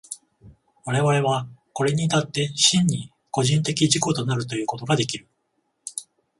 我々はこれに至って真に個人的自己となるということができる。